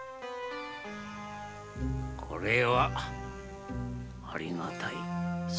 これはありがたい。